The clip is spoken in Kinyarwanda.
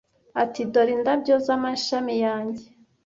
ati dore indabyo z'amashami yanjye